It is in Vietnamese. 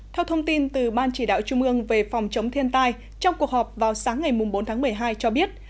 theo thông tin từ ban chỉ đạo trung ương về phòng chống thiên tai trong cuộc họp vào sáng ngày bốn tháng một mươi hai cho biết